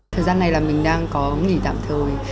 thời gian này là mình đang có nghỉ tạm thời